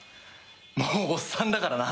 もうおっさんだからな！